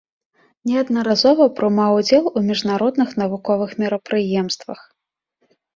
Неаднаразова прымаў удзел у міжнародных навуковых мерапрыемствах.